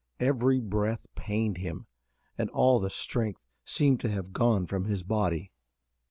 Every breath pained him, and all the strength seemed to have gone from his body.